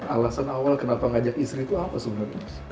alasan awal kenapa ngajak istri itu apa sebenarnya